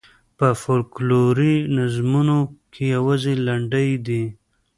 په فوکلوري نظمونو کې یوازې لنډۍ دي.